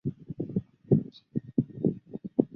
焦氏短稚鳕为深海鳕科短稚鳕属的鱼类。